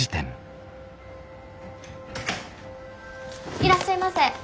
いらっしゃいませ。